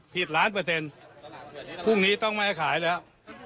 ล้านเปอร์เซ็นต์พรุ่งนี้ต้องไม่ให้ขายแล้ว